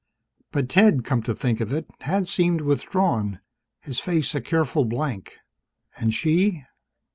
But, Ted, come to think of it, had seemed withdrawn, his face a careful blank. And she?